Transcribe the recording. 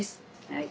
はい。